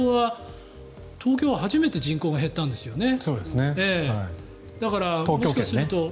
東京は初めて人口が減ったんですよね。